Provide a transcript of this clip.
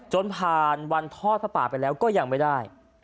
จนผ่านวันทอดผ้าป่าไปแล้วก็ยังไม่ได้